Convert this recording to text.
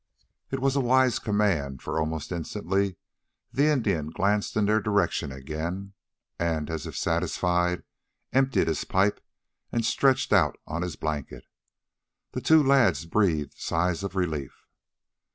It was a wise command, for almost instantly the Indian glanced in their direction again, and, as if satisfied, emptied his pipe and stretched out on his blanket. The two lads breathed sighs of relief.